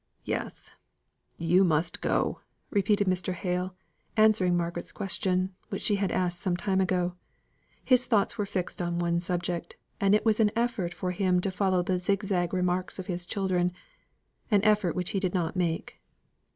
"Yes you must go," repeated Mr. Hale, answering Margaret's question, which she had asked some time ago. His thoughts were fixed on one subject, and it was an effort to him to follow the zigzag remarks of his children an effort which he did not make.